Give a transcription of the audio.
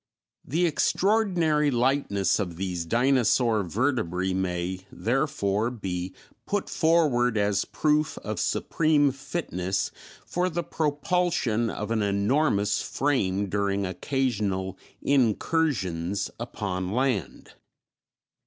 The extraordinary lightness of these dinosaur vertebræ may therefore be put forward as proof of supreme fitness for the propulsion of an enormous frame during occasional incursions upon land.